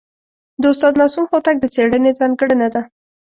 د استاد معصوم هوتک د څېړني ځانګړنه ده.